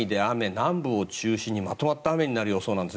南部を中心にまとまった雨になる予想です。